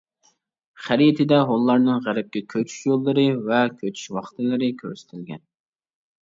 خەرىتىدە ھونلارنىڭ غەربكە كۆچۈش يوللىرى ۋە كۆچۈش ۋاقىتلىرى كۆرسىتىلگەن.